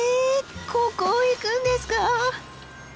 ここを行くんですか！？